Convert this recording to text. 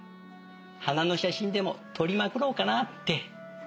花の写真でも撮りまくろうかなって。